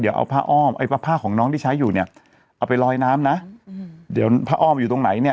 เดี๋ยวเอาผ้าอ้อมไอ้ผ้าของน้องที่ใช้อยู่เนี่ยเอาไปลอยน้ำนะเดี๋ยวผ้าอ้อมอยู่ตรงไหนเนี่ย